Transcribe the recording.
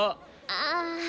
ああ。